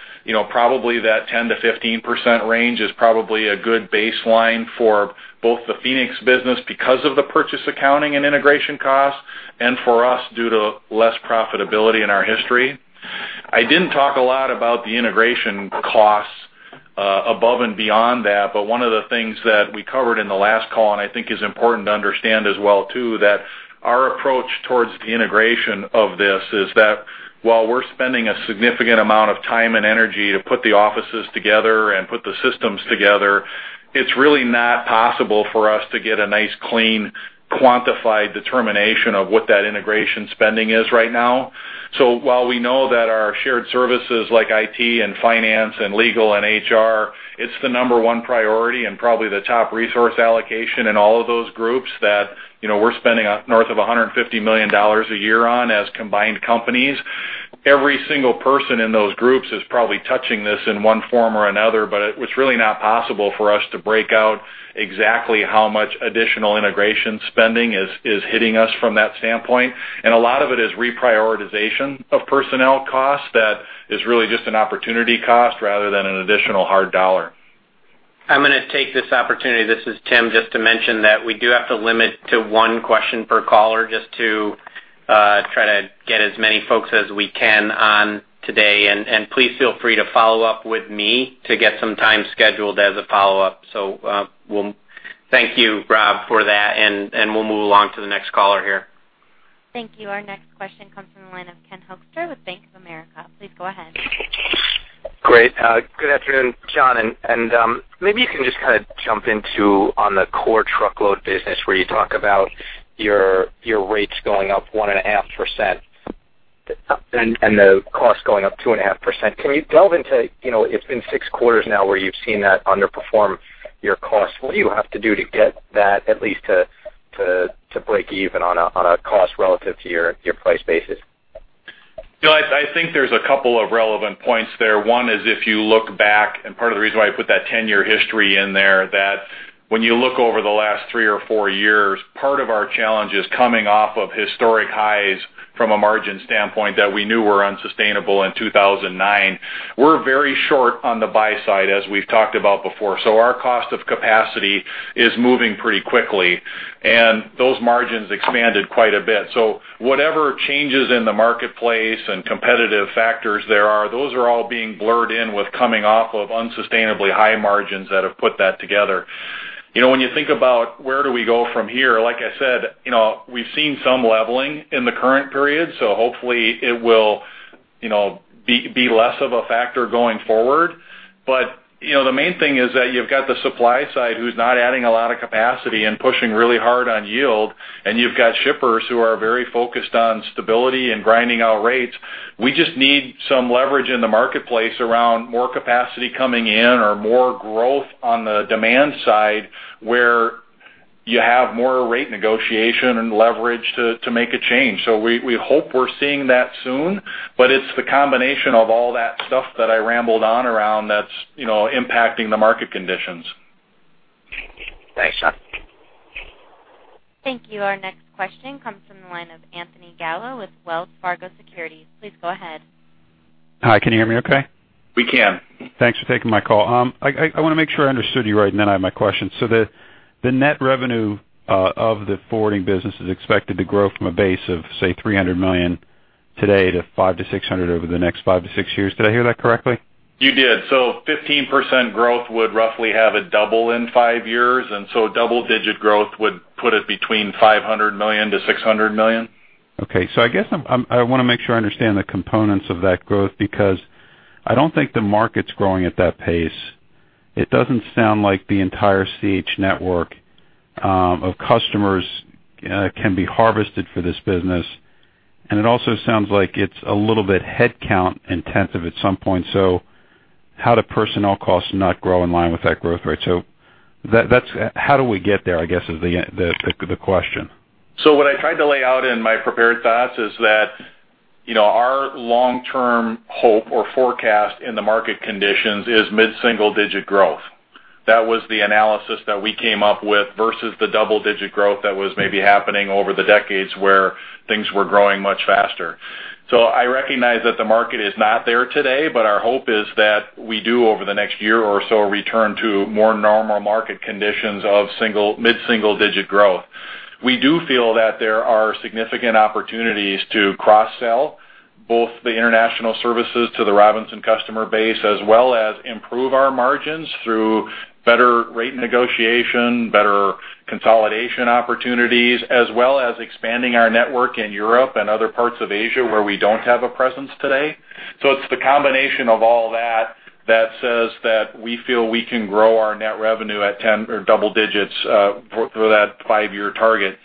probably that 10%-15% range is probably a good baseline for both the Phoenix business because of the purchase accounting and integration cost, and for us, due to less profitability in our history. I didn't talk a lot about the integration costs above and beyond that, one of the things that we covered in the last call, and I think is important to understand as well too, that our approach towards the integration of this is that while we're spending a significant amount of time and energy to put the offices together and put the systems together, it's really not possible for us to get a nice, clean, quantified determination of what that integration spending is right now. While we know that our shared services like IT and finance and legal and HR, it's the number 1 priority and probably the top resource allocation in all of those groups that we're spending north of $150 million a year on as combined companies. Every single person in those groups is probably touching this in one form or another, but it was really not possible for us to break out exactly how much additional integration spending is hitting us from that standpoint. A lot of it is reprioritization of personnel costs that is really just an opportunity cost rather than an additional hard dollar. I'm going to take this opportunity, this is Tim, just to mention that we do have to limit to one question per caller just to try to get as many folks as we can on today. Please feel free to follow up with me to get some time scheduled as a follow-up. Thank you, Rob, for that, and we'll move along to the next caller here. Thank you. Our next question comes from the line of Ken Hoexter with Bank of America. Please go ahead. Great. Good afternoon, John, maybe you can just kind of jump into on the core truckload business where you talk about your rates going up 1.5% and the cost going up 2.5%. Can you delve into, it's been six quarters now where you've seen that underperform your cost. What do you have to do to get that at least to break even on a cost relative to your price basis? I think there's a couple of relevant points there. One is if you look back, and part of the reason why I put that 10-year history in there, that when you look over the last three or four years, part of our challenge is coming off of historic highs from a margin standpoint that we knew were unsustainable in 2009. We're very short on the buy side, as we've talked about before. Our cost of capacity is moving pretty quickly, and those margins expanded quite a bit. Whatever changes in the marketplace and competitive factors there are, those are all being blurred in with coming off of unsustainably high margins that have put that together. When you think about where do we go from here, like I said, we've seen some leveling in the current period, hopefully it will be less of a factor going forward. The main thing is that you've got the supply side who's not adding a lot of capacity and pushing really hard on yield, and you've got shippers who are very focused on stability and grinding out rates. We just need some leverage in the marketplace around more capacity coming in or more growth on the demand side, where you have more rate negotiation and leverage to make a change. We hope we're seeing that soon, it's the combination of all that stuff that I rambled on around that's impacting the market conditions. Thanks, John. Thank you. Our next question comes from the line of Anthony Gallo with Wells Fargo Securities. Please go ahead. Hi, can you hear me okay? We can. Thanks for taking my call. I want to make sure I understood you right, and then I have my question. The net revenue of the forwarding business is expected to grow from a base of, say, $300 million today to $500 million-$600 million over the next five to six years. Did I hear that correctly? You did. 15% growth would roughly have it double in five years, and so double-digit growth would put it between $500 million-$600 million. I guess I want to make sure I understand the components of that growth, because I don't think the market's growing at that pace. It doesn't sound like the entire CH network of customers can be harvested for this business. It also sounds like it's a little bit headcount intensive at some point. How do personnel costs not grow in line with that growth rate? How do we get there, I guess, is the question. What I tried to lay out in my prepared thoughts is that our long-term hope or forecast in the market conditions is mid-single digit growth. That was the analysis that we came up with versus the double-digit growth that was maybe happening over the decades where things were growing much faster. I recognize that the market is not there today, but our hope is that we do, over the next year or so, return to more normal market conditions of mid-single digit growth. We do feel that there are significant opportunities to cross-sell both the international services to the Robinson customer base, as well as improve our margins through better rate negotiation, better consolidation opportunities, as well as expanding our network in Europe and other parts of Asia where we don't have a presence today. It's the combination of all that that says that we feel we can grow our net revenue at 10 or double digits for that five-year target.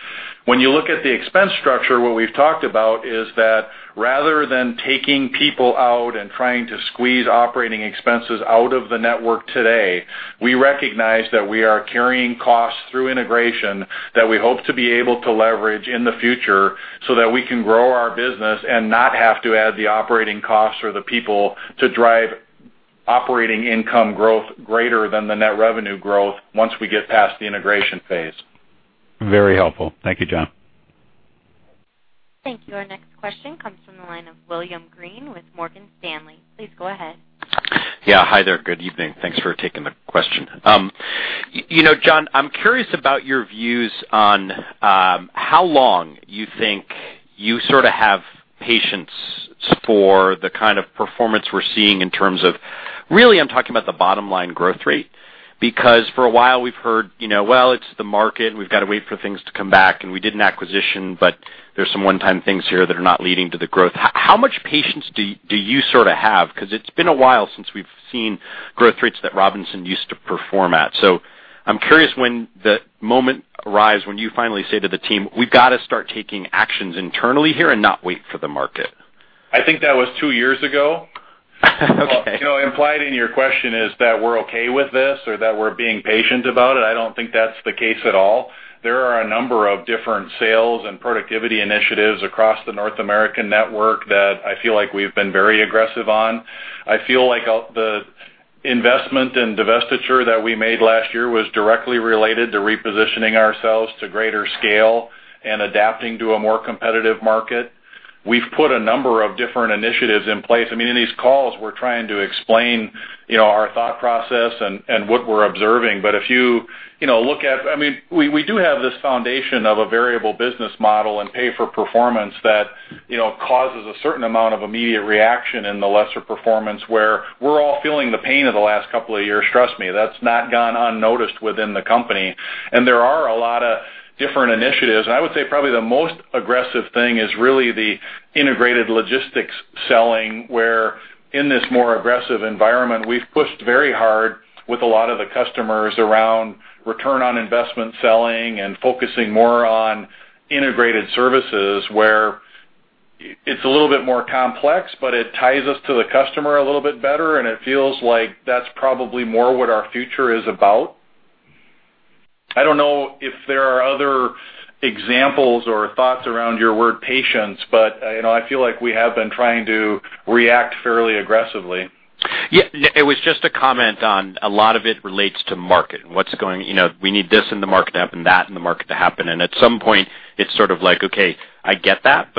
When you look at the expense structure, what we've talked about is that rather than taking people out and trying to squeeze operating expenses out of the network today, we recognize that we are carrying costs through integration that we hope to be able to leverage in the future so that we can grow our business and not have to add the operating costs or the people to drive Operating income growth greater than the net revenue growth once we get past the integration phase. Very helpful. Thank you, John. Thank you. Our next question comes from the line of William Greene with Morgan Stanley. Please go ahead. Yeah. Hi there. Good evening. Thanks for taking the question. John, I'm curious about your views on how long you think you sort of have patience for the kind of performance we're seeing in terms of, really, I'm talking about the bottom line growth rate. For a while we've heard, "Well, it's the market, and we've got to wait for things to come back, and we did an acquisition, but there's some one-time things here that are not leading to the growth." How much patience do you sort of have? It's been a while since we've seen growth rates that Robinson used to perform at. I'm curious when the moment arrives, when you finally say to the team, "We've got to start taking actions internally here and not wait for the market. I think that was two years ago. Okay. Implied in your question is that we're okay with this, or that we're being patient about it. I don't think that's the case at all. There are a number of different sales and productivity initiatives across the North American network that I feel like we've been very aggressive on. I feel like the investment and divestiture that we made last year was directly related to repositioning ourselves to greater scale and adapting to a more competitive market. We've put a number of different initiatives in place. In these calls, we're trying to explain our thought process and what we're observing. We do have this foundation of a variable business model and pay for performance that causes a certain amount of immediate reaction in the lesser performance, where we're all feeling the pain of the last couple of years. Trust me, that's not gone unnoticed within the company. There are a lot of different initiatives. I would say probably the most aggressive thing is really the integrated logistics selling, where in this more aggressive environment, we've pushed very hard with a lot of the customers around return on investment selling and focusing more on integrated services, where it's a little bit more complex, but it ties us to the customer a little bit better, and it feels like that's probably more what our future is about. I don't know if there are other examples or thoughts around your word patience. I feel like we have been trying to react fairly aggressively. Yeah. It was just a comment on a lot of it relates to market and what's going, we need this in the market to happen, that in the market to happen. At some point, it's sort of like, okay, I get that.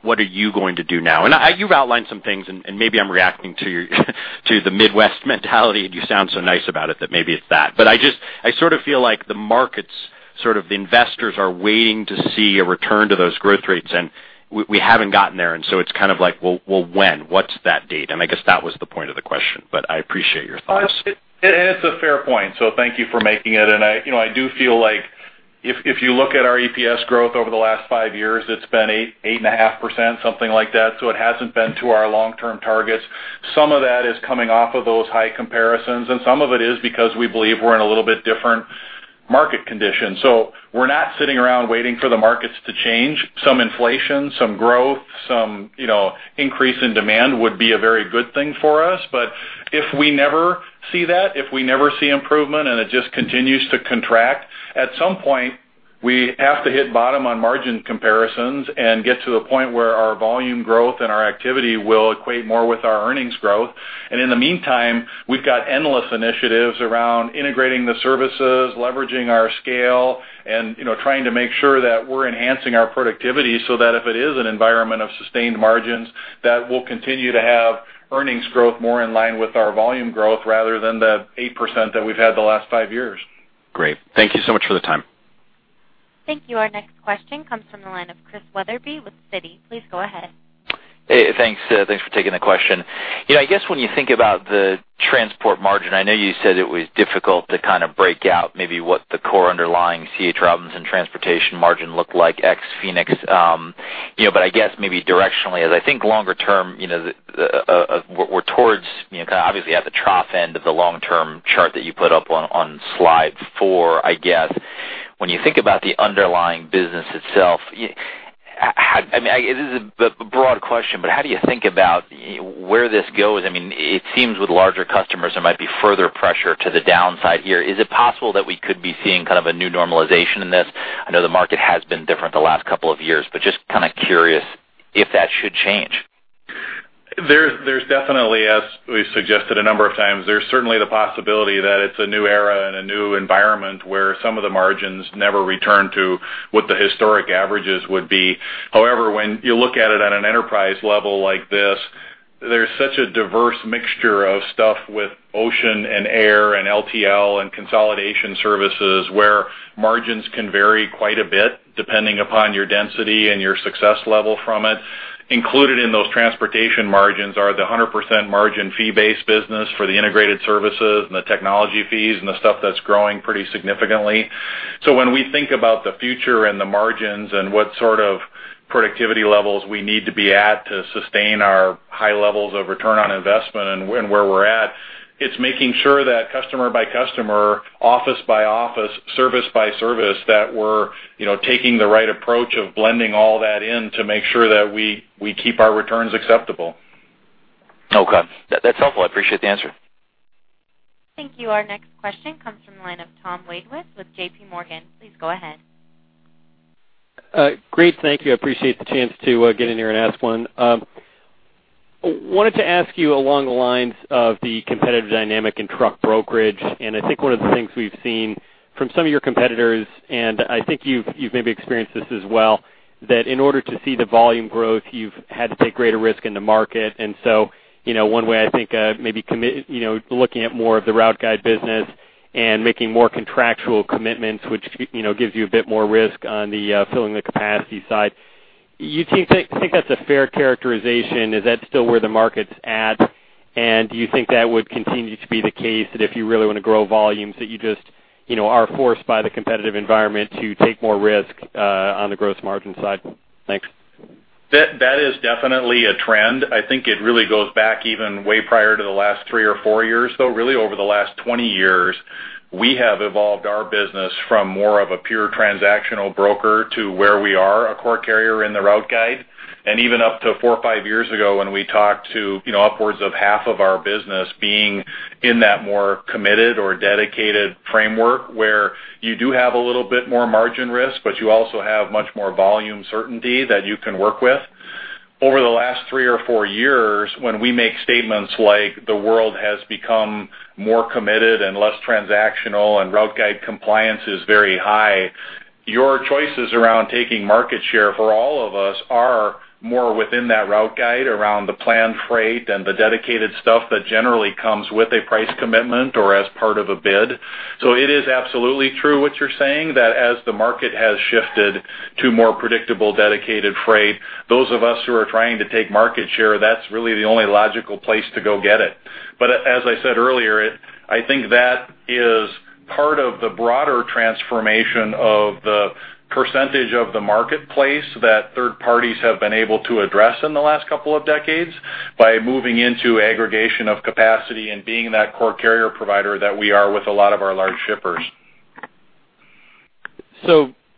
What are you going to do now? You've outlined some things. Maybe I'm reacting to the Midwest mentality, and you sound so nice about it that maybe it's that. I sort of feel like the markets, sort of the investors are waiting to see a return to those growth rates, and we haven't gotten there. It's kind of like, well, when? What's that date? I guess that was the point of the question. I appreciate your thoughts. It's a fair point. Thank you for making it. I do feel like if you look at our EPS growth over the last five years, it's been 8.5%, something like that. It hasn't been to our long-term targets. Some of that is coming off of those high comparisons. Some of it is because we believe we're in a little bit different market condition. We're not sitting around waiting for the markets to change. Some inflation, some growth, some increase in demand would be a very good thing for us. If we never see that, if we never see improvement and it just continues to contract, at some point, we have to hit bottom on margin comparisons and get to a point where our volume growth and our activity will equate more with our earnings growth. In the meantime, we've got endless initiatives around integrating the services, leveraging our scale, and trying to make sure that we're enhancing our productivity so that if it is an environment of sustained margins, that we'll continue to have earnings growth more in line with our volume growth rather than the 8% that we've had the last five years. Great. Thank you so much for the time. Thank you. Our next question comes from the line of Chris Wetherbee with Citi. Please go ahead. Hey, thanks for taking the question. I guess when you think about the transport margin, I know you said it was difficult to kind of break out maybe what the core underlying C. H. Robinson transportation margin looked like ex Phoenix. I guess maybe directionally, as I think longer term, we're towards, kind of obviously at the trough end of the long-term chart that you put up on slide four, I guess. When you think about the underlying business itself, it is a broad question, but how do you think about where this goes? It seems with larger customers, there might be further pressure to the downside here. Is it possible that we could be seeing kind of a new normalization in this? I know the market has been different the last couple of years, but just kind of curious if that should change. There's definitely, as we've suggested a number of times, there's certainly the possibility that it's a new era and a new environment where some of the margins never return to what the historic averages would be. However, when you look at it on an enterprise level like this, there's such a diverse mixture of stuff with ocean and air and LTL and consolidation services, where margins can vary quite a bit depending upon your density and your success level from it. Included in those transportation margins are the 100% margin fee-based business for the integrated services and the technology fees and the stuff that's growing pretty significantly. When we think about the future and the margins and what sort of productivity levels we need to be at to sustain our high levels of return on investment and where we're at, it's making sure that customer by customer, office by office, service by service, that we're taking the right approach of blending all that in to make sure that we keep our returns acceptable. Okay. That's helpful. I appreciate the answer. Thank you. Our next question comes from the line of Thomas Wadewitz with J.P. Morgan. Please go ahead. Great. Thank you. I appreciate the chance to get in here and ask one. Wanted to ask you along the lines of the competitive dynamic in truck brokerage, and I think one of the things we've seen from some of your competitors, and I think you've maybe experienced this as well, that in order to see the volume growth, you've had to take greater risk in the market. One way I think maybe looking at more of the route guide business and making more contractual commitments, which gives you a bit more risk on the filling the capacity side. You think that's a fair characterization? Is that still where the market's at? Do you think that would continue to be the case, that if you really want to grow volumes, that you just are forced by the competitive environment to take more risk on the gross margin side? Thanks. That is definitely a trend. I think it really goes back even way prior to the last three or four years, though really over the last 20 years. We have evolved our business from more of a pure transactional broker to where we are, a core carrier in the route guide. Even up to four or five years ago when we talked to upwards of half of our business being in that more committed or dedicated framework, where you do have a little bit more margin risk, but you also have much more volume certainty that you can work with. Over the last three or four years, when we make statements like the world has become more committed and less transactional and route guide compliance is very high, your choices around taking market share for all of us are more within that route guide around the planned freight and the dedicated stuff that generally comes with a price commitment or as part of a bid. It is absolutely true what you're saying, that as the market has shifted to more predictable, dedicated freight, those of us who are trying to take market share, that's really the only logical place to go get it. As I said earlier, I think that is part of the broader transformation of the percentage of the marketplace that third parties have been able to address in the last couple of decades by moving into aggregation of capacity and being that core carrier provider that we are with a lot of our large shippers.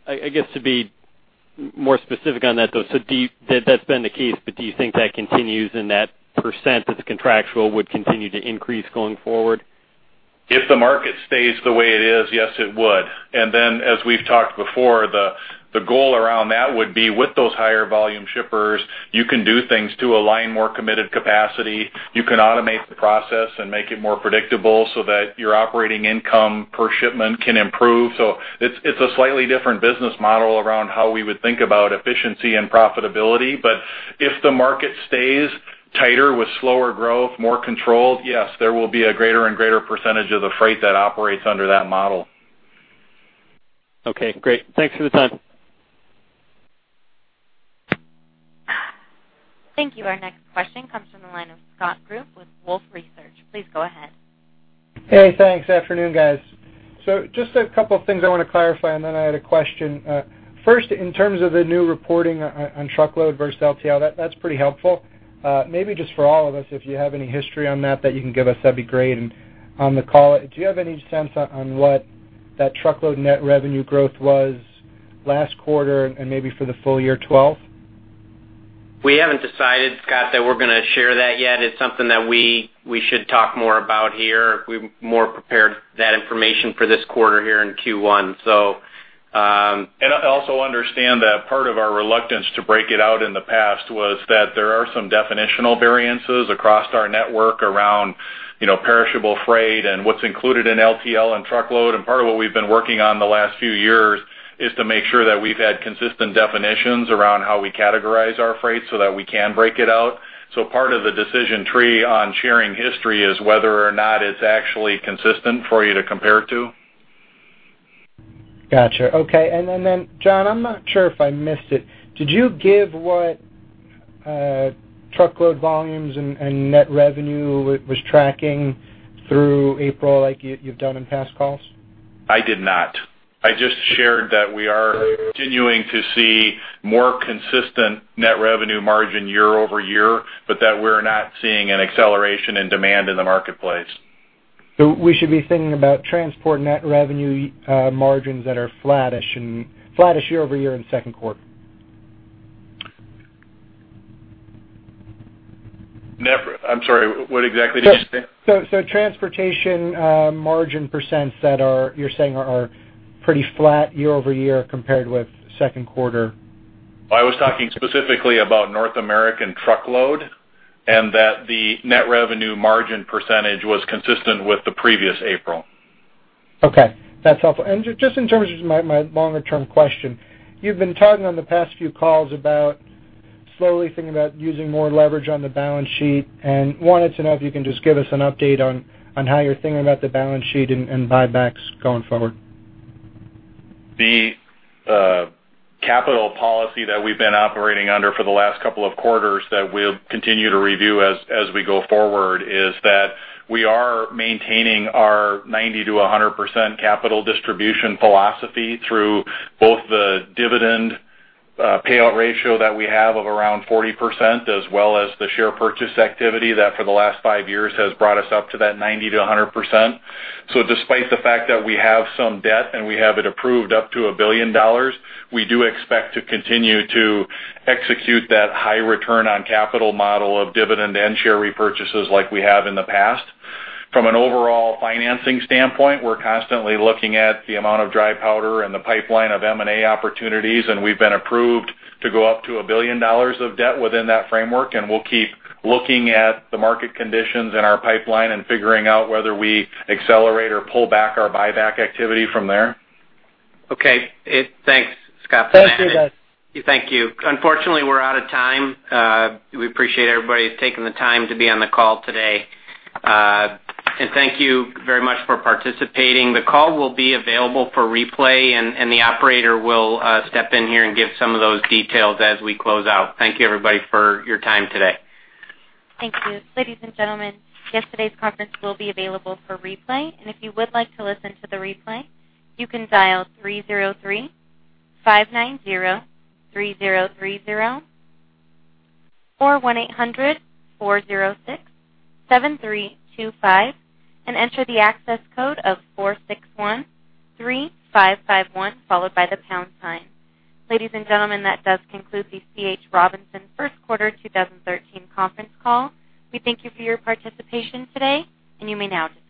I guess to be more specific on that, though, that's been the case, but do you think that continues and that % that's contractual would continue to increase going forward? If the market stays the way it is, yes, it would. As we've talked before, the goal around that would be with those higher volume shippers, you can do things to align more committed capacity. You can automate the process and make it more predictable so that your operating income per shipment can improve. It's a slightly different business model around how we would think about efficiency and profitability. If the market stays tighter with slower growth, more controlled, yes, there will be a greater and greater % of the freight that operates under that model. Okay, great. Thanks for the time. Thank you. Our next question comes from the line of Scott Group with Wolfe Research. Please go ahead. Hey, thanks. Afternoon, guys. Just a couple of things I want to clarify, then I had a question. First, in terms of the new reporting on truckload versus LTL, that's pretty helpful. Maybe just for all of us, if you have any history on that that you can give us, that'd be great. On the call, do you have any sense on what that truckload net revenue growth was last quarter and maybe for the full year 2012? We haven't decided, Scott, that we're going to share that yet. It's something that we should talk more about here if we more prepared that information for this quarter here in Q1. Also understand that part of our reluctance to break it out in the past was that there are some definitional variances across our network around perishable freight and what's included in LTL and truckload. Part of what we've been working on the last few years is to make sure that we've had consistent definitions around how we categorize our freight so that we can break it out. Part of the decision tree on sharing history is whether or not it's actually consistent for you to compare to. Got you. Okay, then, John, I'm not sure if I missed it. Did you give what truckload volumes and net revenue was tracking through April like you've done in past calls? I did not. I just shared that we are continuing to see more consistent net revenue margin year-over-year, that we're not seeing an acceleration in demand in the marketplace. We should be thinking about transport net revenue margins that are flattish year-over-year in the second quarter. I'm sorry, what exactly did you say? Transportation margin % that you're saying are pretty flat year-over-year compared with second quarter. I was talking specifically about North American truckload, that the net revenue margin percentage was consistent with the previous April. Okay, that's helpful. Just in terms of my longer-term question, you've been talking on the past few calls about slowly thinking about using more leverage on the balance sheet, wanted to know if you can just give us an update on how you're thinking about the balance sheet and buybacks going forward. The capital policy that we've been operating under for the last couple of quarters that we'll continue to review as we go forward is that we are maintaining our 90%-100% capital distribution philosophy through both the dividend payout ratio that we have of around 40%, as well as the share purchase activity that for the last five years has brought us up to that 90%-100%. Despite the fact that we have some debt and we have it approved up to $1 billion, we do expect to continue to execute that high return on capital model of dividend and share repurchases like we have in the past. From an overall financing standpoint, we're constantly looking at the amount of dry powder in the pipeline of M&A opportunities. We've been approved to go up to $1 billion of debt within that framework, we'll keep looking at the market conditions and our pipeline and figuring out whether we accelerate or pull back our buyback activity from there. Okay. Thanks, Scott. Thank you, guys. Thank you. Unfortunately, we're out of time. We appreciate everybody taking the time to be on the call today. Thank you very much for participating. The call will be available for replay, the operator will step in here and give some of those details as we close out. Thank you, everybody, for your time today. Thank you. Ladies and gentlemen, yesterday's conference will be available for replay. If you would like to listen to the replay, you can dial 303-590-3030 or 1-800-406-7325 and enter the access code of 4613551, followed by the pound sign. Ladies and gentlemen, that does conclude the C. H. Robinson first quarter 2013 conference call. We thank you for your participation today, you may now disconnect.